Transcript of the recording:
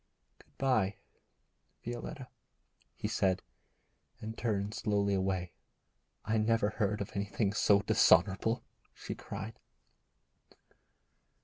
'Good bye, Violetta,' he said, and turned slowly away. 'I never heard of anything so dishonourable,' she cried.